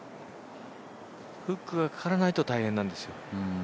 フックがかからないと大変なんですよ。